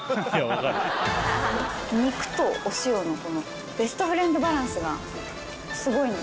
肉とお塩のベストフレンドバランスがすごいんで。